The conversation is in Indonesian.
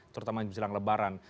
terutama di jelang lebaran